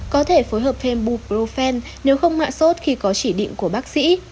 có thể phối hợp phêm buprofen nếu không hạ sốt khi có chỉ định của bác sĩ